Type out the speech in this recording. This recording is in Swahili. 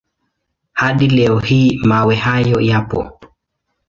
Hadi leo hii mawe hayo yapo.